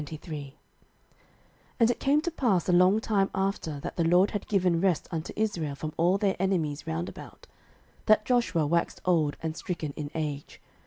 06:023:001 And it came to pass a long time after that the LORD had given rest unto Israel from all their enemies round about, that Joshua waxed old and stricken in age.